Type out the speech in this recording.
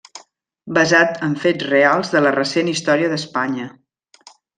Basat en fets reals de la recent història d'Espanya.